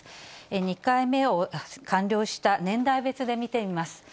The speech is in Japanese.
２回目を完了した年代別で見てみます。